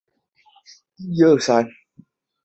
子裴栻是成泰十年进士。